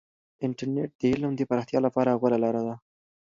انټرنیټ د علم د پراختیا لپاره غوره لاره ده.